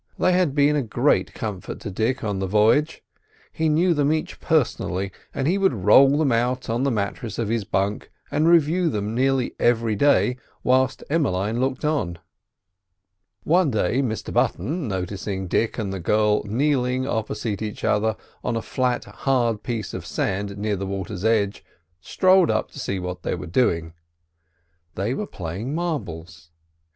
They had been a great comfort to Dick on the voyage. He knew them each personally, and he would roll them out on the mattress of his bunk and review them nearly every day, whilst Emmeline looked on. One day Mr Button, noticing Dick and the girl kneeling opposite each other on a flat, hard piece of sand near the water's edge, strolled up to see what they were doing. They were playing marbles.